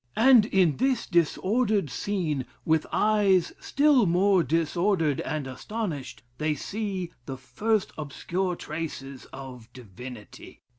And in this disordered scene, with eyes still more disordered and astonished, they see the first obscure traces of divinity....